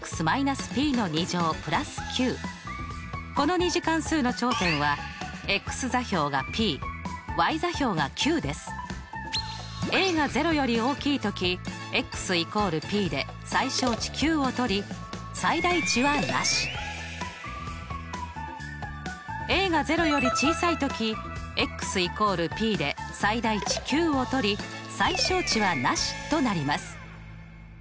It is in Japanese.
この２次関数の頂点はが０より大きいとき＝ｐで最小値ｑをとり最大値はなし。が０より小さいとき＝ｐで最大値ｑをとり最小値はなしとなります。